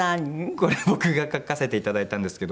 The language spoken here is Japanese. これ僕が描かせて頂いたんですけど。